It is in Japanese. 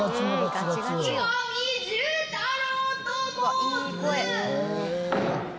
岩見重太郎と申す。